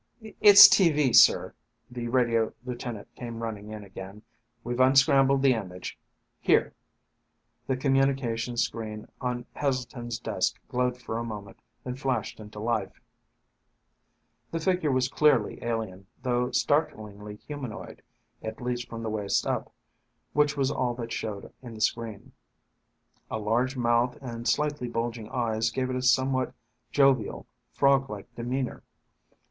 "It's tv, sir!" The radio lieutenant came running in again. "We've unscrambled the image. Here!" The communications screen on Heselton's desk glowed for a moment, then flashed into life. The figure was clearly alien, though startlingly humanoid at least from the waist up, which was all that showed in the screen. A large mouth and slightly bulging eyes gave it a somewhat jovial, frog like demeanor.